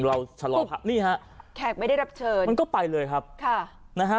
เราชะลอพักนี่ฮะแขกไม่ได้รับเชิญมันก็ไปเลยครับค่ะนะฮะ